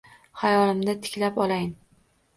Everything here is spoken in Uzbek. Xayolimda tiklab olayin.